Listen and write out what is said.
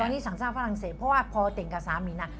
ตอนนี้สังชาติฝรั่งเศสเพราะว่าพอเต่นกับสามีนะ